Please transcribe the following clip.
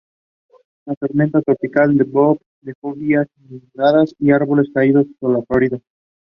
Some but not all of the human subunits are conserved in budding yeast.